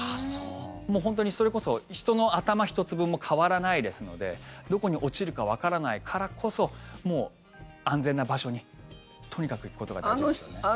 本当にそれこそ、人の頭１つ分も変わらないですのでどこに落ちるかわからないからこそもう安全な場所にとにかく行くことが大事です。